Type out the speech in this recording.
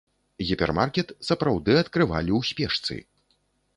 Гіпермаркет сапраўды адкрывалі ў спешцы.